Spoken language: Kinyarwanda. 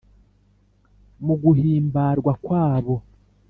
mu guhimbarwa kwabo